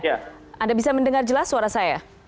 anda bisa mendengar jelas suara saya